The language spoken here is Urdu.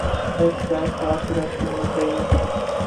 احتجاج تو آخری راستہ ہونا چاہیے۔